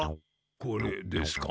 これですか？